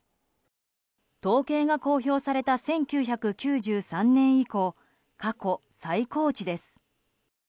統計が公表された１９９３年以降過去最高値です。